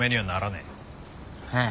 ええ。